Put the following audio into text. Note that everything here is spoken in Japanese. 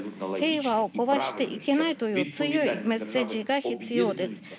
平和を壊してはいけないという強いメッセージが必要です。